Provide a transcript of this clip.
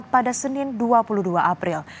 pada senin dua puluh dua april